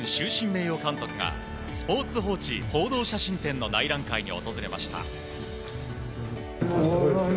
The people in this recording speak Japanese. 名誉監督がスポーツ報知報道写真展の内覧会に訪れました。